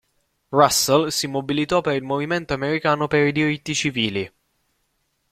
Russell si mobilitò per il Movimento Americano per i Diritti Civili.